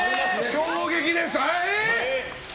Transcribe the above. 衝撃です。